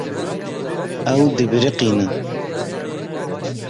Ew dibiriqînin.